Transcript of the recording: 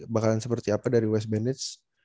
bakalan seperti apa dari west bandits